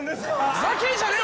ふざけんじゃねえ！